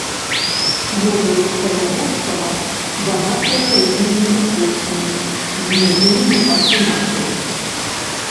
Воды каля вострава багатыя рыбнымі рэсурсамі, знойдзены запасы нафты.